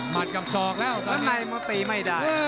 มัดกับสอกแล้วตอนนี้